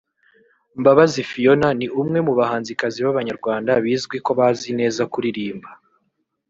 Mbabazi Phionah ni umwe mu bahanzikazi b'abanyarwanda bizwi ko bazi neza kuririmba